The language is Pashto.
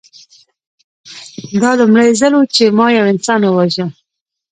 دا لومړی ځل و چې ما یو انسان وواژه